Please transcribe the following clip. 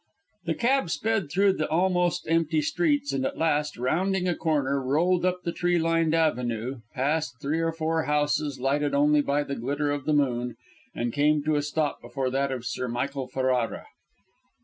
The cab sped through the almost empty streets, and at last, rounding a corner, rolled up the tree lined avenue, past three or four houses lighted only by the glitter of the moon, and came to a stop before that of Sir Michael Ferrara.